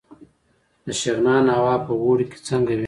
د شغنان هوا په اوړي کې څنګه وي؟